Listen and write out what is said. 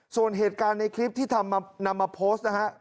ส่วนเหตุการณ์ในคลิปที่นำมาโพสต์นะฮะ